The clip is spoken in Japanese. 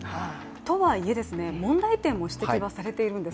とはいえ、問題点も指摘はされているんです。